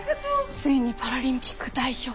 ついにパラリンピック代表